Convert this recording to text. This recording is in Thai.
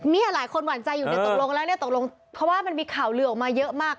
หลายคนหวั่นใจอยู่ในตกลงแล้วเนี่ยตกลงเพราะว่ามันมีข่าวลือออกมาเยอะมาก